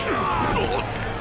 あっ！